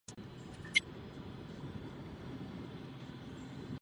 Zvyšuje též trvanlivost potravin.